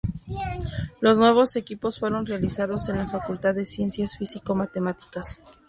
Los nuevos equipos fueron realizados en la Facultad de Ciencias Físico-Matemáticas.